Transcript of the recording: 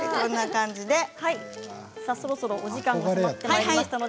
そろそろお時間も迫ってまいりました。